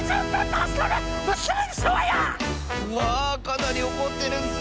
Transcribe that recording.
うわあかなりおこってるッス。